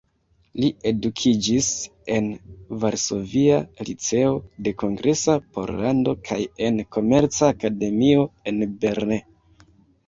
Li edukiĝis en Varsovia Liceo de Kongresa Pollando kaj en Komerca Akademio en Berlin.